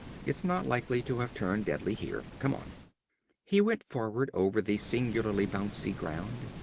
It's not likely to have turned deadly here. Come on!" He went forward over the singularly bouncy ground.